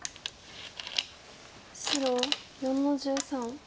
白４の十三。